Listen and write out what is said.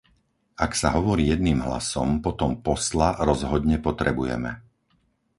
Ak sa hovorí jedným hlasom, potom posla rozhodne potrebujeme.